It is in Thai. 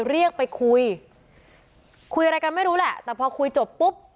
เรียกไปคุยคุยอะไรกันไม่รู้แหละแต่พอคุยจบปุ๊บ